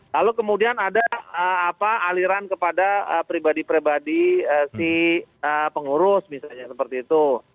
lalu kemudian ada aliran kepada pribadi pribadi si pengurus misalnya seperti itu